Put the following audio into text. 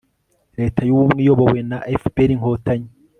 leta y'ubumwe, iyobowe na fpr-inkotanyi